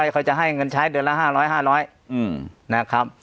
เขาจะให้เงินใช้เดือนละ๕๐๐๕๐๐นะครับ